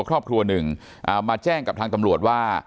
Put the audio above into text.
ครอบครัวหนึ่งมาแจ้งกับทางตำรวจว่า